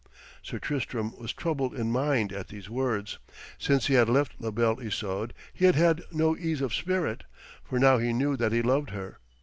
Sir Tristram was troubled in mind at these words. Since he had left La Belle Isoude he had had no ease of spirit, for now he knew that he loved her.